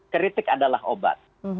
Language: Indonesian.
kritik adalah obat